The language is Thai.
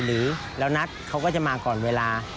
หรือแล้วนัดเขาก็จะมาก่อนเวลา